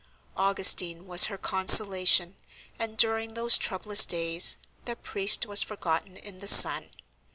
Augustine was her consolation, and, during those troublous days, the priest was forgotten in the son.